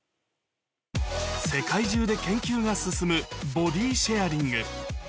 世界中で研究が進むボディシェアリング。